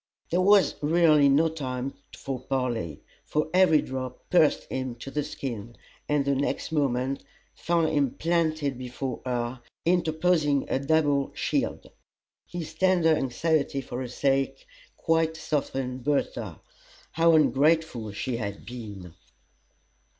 There was really no time for parley, for every drop pierced him to the skin, and the next moment found him planted before her, interposing a double shield. His tender anxiety for her sake quite softened Bertha. How ungrateful she had been!